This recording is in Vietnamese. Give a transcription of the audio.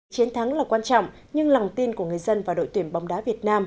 chiến thắng là quan trọng nhưng lòng tin của người dân và đội tuyển bóng đá việt nam